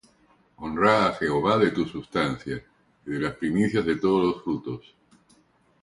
Honra á Jehová de tu sustancia, Y de las primicias de todos tus frutos;